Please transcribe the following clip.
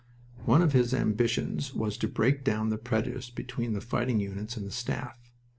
One of his ambitions was to break down the prejudice between the fighting units and the Staff.